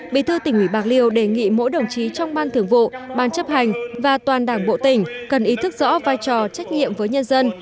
bí thư tỉnh ủy bạc liêu đề nghị mỗi đồng chí trong ban thưởng vụ ban chấp hành và toàn đảng bộ tỉnh cần ý thức rõ vai trò trách nhiệm với nhân dân